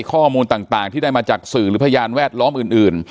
ข้อมูลต่างที่ได้มาจากสื่อหรือพยานแวดล้อมอื่น